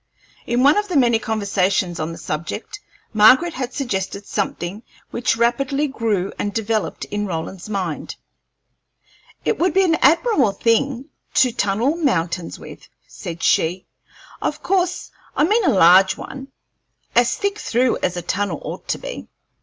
In one of the many conversations on the subject; Margaret had suggested something which rapidly grew and developed in Roland's mind. "It would be an admirable thing to tunnel mountains with," said she. "Of course I mean a large one, as thick through as a tunnel ought to be."